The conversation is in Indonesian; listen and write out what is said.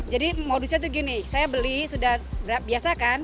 jadi modusnya tuh gini saya beli sudah biasa kan